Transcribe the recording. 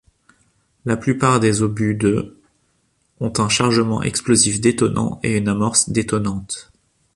La plupart des obus de ont un chargement explosif détonant et une amorce détonante.